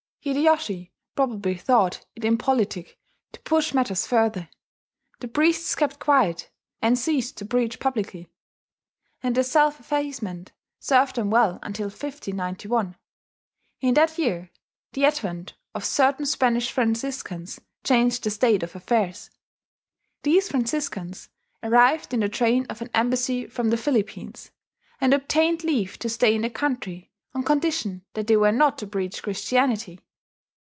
Hideyoshi probably thought it impolitic to push matters further: the priests kept quiet, and ceased to preach publicly; and their self effacement served them well until 1591. In that year the advent of certain Spanish Franciscans changed the state of affairs. These Franciscans arrived in the train of an embassy from the Philippines, and obtained leave to stay in the country on condition that they were not to preach Christianity.